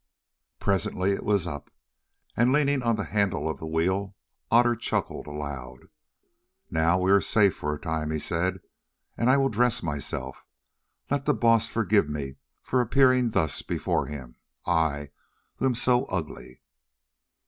Presently it was up, and, leaning on the handle of the wheel, Otter chuckled aloud. "Now we are safe for a time," he said, "and I will dress myself. Let the Baas forgive me for appearing thus before him—I, who am so ugly."